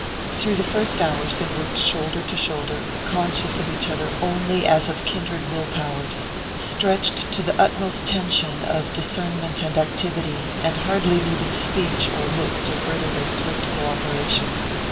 Through the first hours they worked shoulder to shoulder, conscious of each other only as of kindred will powers, stretched to the utmost tension of discernment and activity, and hardly needing speech or look to further their swift co operation.